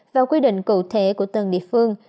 và quy định cụ thể của từng địa phương